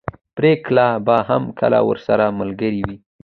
پريګله به هم کله ورسره ملګرې وه